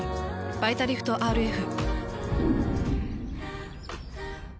「バイタリフトＲＦ」。